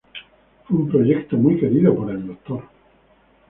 Fue un proyecto muy querido por el Dr.